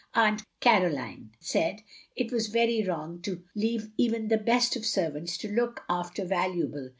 "Aunt Caroline said it was very wrong to leave even the best of servants to look after valuable